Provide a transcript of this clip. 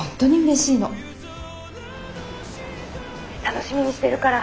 楽しみにしてるから。